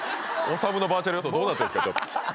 修のバーチャル予想どうなってんすか。